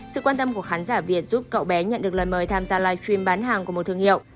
sự quan tâm của khán giả việt giúp cậu bé nhận được lời mời tham gia live stream bán hàng của một thương hiệu